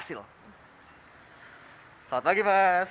selamat pagi mas